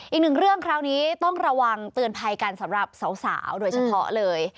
อีกหนึ่งเรื่องคราวนี้ต้องระวังเตือนภัยกันสำหรับสาวโดยเฉพาะเลย